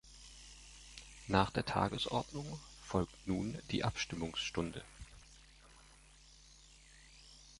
Nach der Tagesordnung folgt nun die Abstimmungsstunde.